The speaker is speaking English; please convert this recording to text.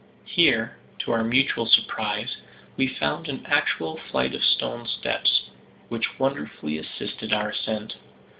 Here, to our mutual surprise, we found an actual flight of stone steps, which wonderfully assisted our ascent.